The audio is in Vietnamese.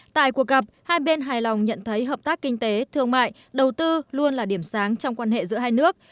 tại cuộc gặp hai bên hài lòng nhận thấy hợp tác kinh tế thương mại đầu tư luôn là điểm sáng trong quan hệ giữa hai nước